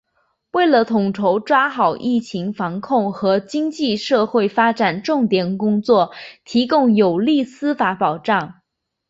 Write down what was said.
为统筹抓好疫情防控和经济社会发展重点工作提供有力司法保障